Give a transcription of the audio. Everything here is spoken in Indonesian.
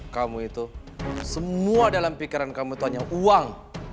kamu itu semua dalam pikiran kamu itu hanya uang